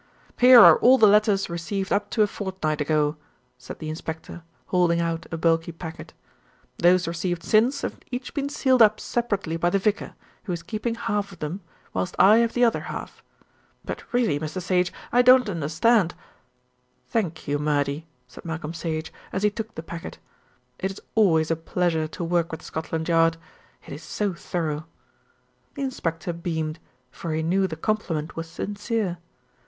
"Here are all the letters received up to a fortnight ago," said the inspector, holding out a bulky packet. "Those received since have each been sealed up separately by the vicar, who is keeping half of them, whilst I have the other half; but really, Mr. Sage, I don't understand " "Thank you, Murdy," said Malcolm Sage, as he took the packet. "It is always a pleasure to work with Scotland Yard, It is so thorough." The inspector beamed; for he knew the compliment was sincere.